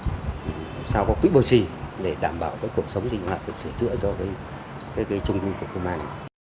làm sao có quý bầu trì để đảm bảo cuộc sống dịch hoạt và sửa chữa cho cái trung du của công an